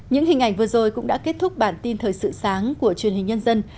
những hình ảnh vừa rồi cũng đã kết thúc bản tin thời sự sáng của truyền hình nhân dân